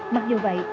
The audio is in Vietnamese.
mặc dù vậy